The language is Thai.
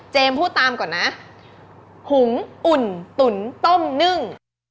พูดตามก่อนนะหุงอุ่นตุ๋นต้มนึ่ง